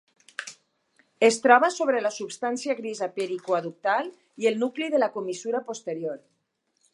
Es troba sobre la substància grisa periaqüeductal i el nucli de la comissura posterior.